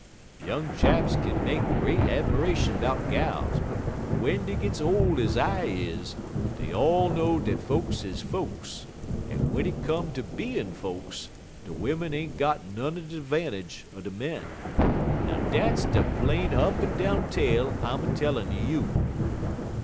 Young chaps kin make great 'miration 'bout gals, but w'en dey gits ole ez I is, dey ull know dat folks is folks, en w'en it come ter bein' folks, de wimmen ain gut none de 'vantage er de men. Now dat's des de plain up en down tale I'm a tellin' un you."